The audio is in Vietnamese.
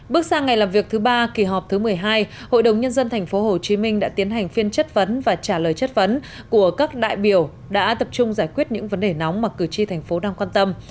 bước sang ngày làm việc thứ ba kỳ họp thứ một mươi hai hội đồng nhân dân tp hcm đã tiến hành phiên chất vấn và trả lời chất vấn của các đại biểu đã tập trung giải quyết những vấn đề nóng mà cử tri tp đang quan tâm